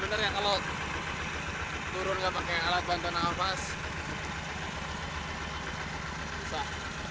bener bener ya kalau turun nggak pakai alat bantu pernafasan